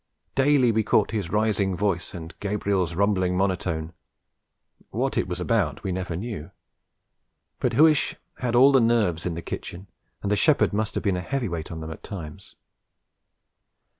Daily we caught his rising voice and Gabriel's rumbling monotone; what it was about we never knew; but Huish had all the nerves in the kitchen, and the shepherd must have been a heavyweight on them at times.